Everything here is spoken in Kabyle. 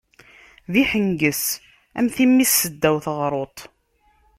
D iḥenges am timmist seddaw teɣṛuḍt.